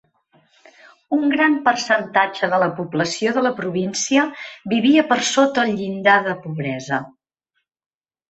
Un gran percentatge de la població de la província vivia per sota el llindar de pobresa.